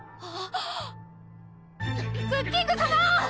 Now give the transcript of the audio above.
クッキングさま！